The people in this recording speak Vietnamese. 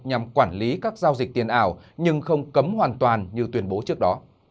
nhằm quản lý các giao dịch tiền ảo nhưng không cấm hoàn toàn như tuyên bố trước đó